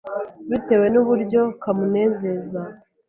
bitewe n’uburyo kamunuzeza.